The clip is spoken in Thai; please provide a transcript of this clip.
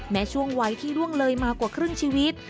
แม้ช่วงวัยที่ร่วงเลยมากว่าครึ่งชีวิต